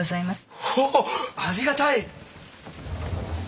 おおありがたい！